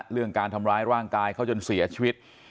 เรื่องการทำร้ายร่างกายเขาจนเสียชีวิต